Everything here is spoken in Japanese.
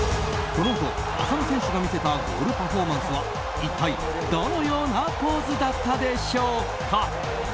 このあと、浅野選手が見せたゴールパフォーマンスは一体、どのようなポーズだったでしょうか。